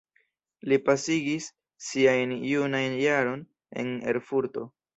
Li pasigis siajn junajn jaron en Erfurto.